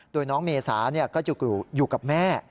โดยน้องเมษาก็อยู่กับแม่